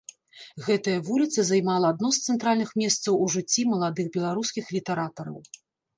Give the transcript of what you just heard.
Гэтая вуліца займала адно з цэнтральных месцаў у жыцці маладых беларускіх літаратараў.